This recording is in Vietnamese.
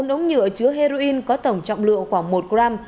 bốn ống nhựa chứa heroin có tổng trọng lượng khoảng một gram